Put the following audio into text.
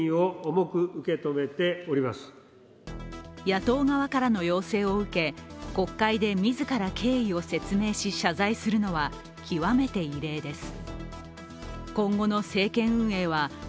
野党側からの要請を受け、国会で自ら経緯を説明し謝罪するのは極めて異例です。